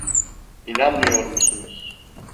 İnanmıyor musunuz?